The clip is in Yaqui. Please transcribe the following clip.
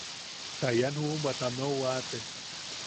Ta ian juʼubwa tameu waate.